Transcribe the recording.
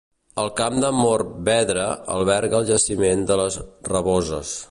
El Camp de Morvedre, alberga al jaciment de Les Raboses.